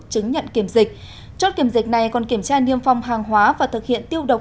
chứng nhận kiểm dịch chốt kiểm dịch này còn kiểm tra niêm phong hàng hóa và thực hiện tiêu độc